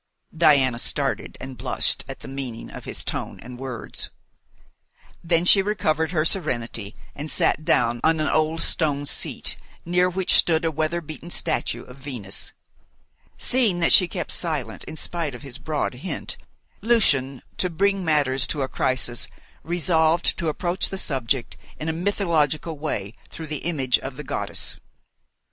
Diana started and blushed at the meaning of his tone and words. Then she recovered her serenity and sat down on an old stone seat, near which stood a weather beaten statue of Venus. Seeing that she kept silent in spite of his broad hint, Lucian to bring matters to a crisis resolved to approach the subject in a mythological way through the image of the goddess.